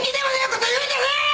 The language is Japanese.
こと言うんじゃねえよ‼